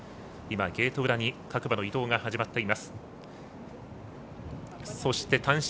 ゲート裏に各馬の移動が始まっています。